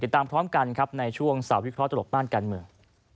ตามพร้อมกันครับในช่วงสาววิเคราะหลบม่านการเมือง